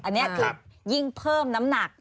อันนี้คือยิ่งเพิ่มน้ำหนัก